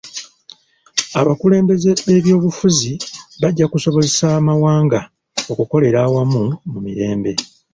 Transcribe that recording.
Abakulembeze b'ebyobufuzi bajja kusobozesa amawanga okukolera awamu mu mirembe.